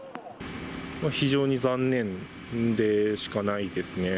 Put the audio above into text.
非常に残念でしかないですね。